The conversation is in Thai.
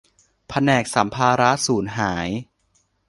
แผนกสัมภาระสูญหาย